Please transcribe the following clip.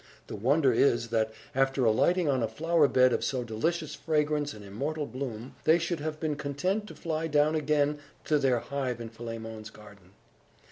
The wonder is, that, after alighting on a flower bed of so delicious fragrance and immortal bloom, they should have been content to fly down again to their hive in Philemon's garden.